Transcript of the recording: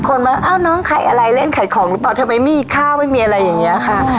คนมาเอ้าน้องขายอะไรเล่นขายของหรือเปล่าทำไมไม่มีข้าวไม่มีอะไรอย่างนี้ค่ะ